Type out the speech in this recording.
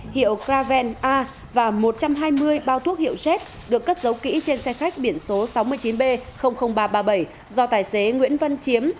hiệu kraven a và một trăm hai mươi bao thuốc hiệu z được cất giấu kỹ trên xe khách biển số sáu mươi chín b ba trăm ba mươi bảy do tài xế nguyễn văn chiếm